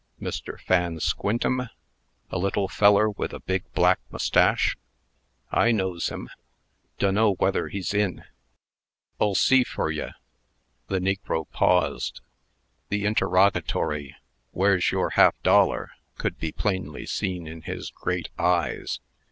"Mr. Fan Squintem a little feller with a big black mustache? I knows him. Dunno wether he's in, 'L see fur ye." The negro paused. The interrogatory, "Where's your half dollar?" could be plainly seen in his great eyes.